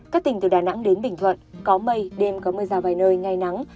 các tỉnh từ đà nẵng đến bình thuận có mây đêm có mưa rào vài nơi ngày nắng